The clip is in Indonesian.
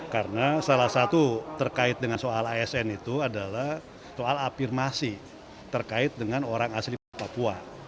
karena salah satu terkait dengan soal asn itu adalah soal afirmasi terkait dengan orang asli papua